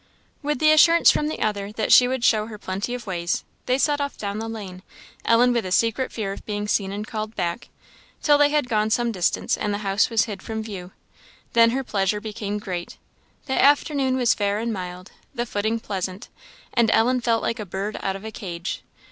With the assurance from the other that she would show her plenty of ways, they set off down the lane Ellen with a secret fear of being seen and called back till they had gone some distance, and the house was hid from view. Then her pleasure became great. The afternoon was fair and mild, the footing pleasant, and Ellen felt like a bird out of a cage.